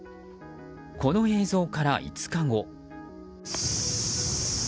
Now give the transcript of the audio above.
この映像から５日後。